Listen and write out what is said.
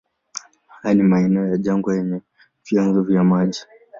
Haya ni maeneo ya jangwa yenye vyanzo vya maji.